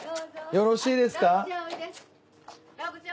よろしいですか？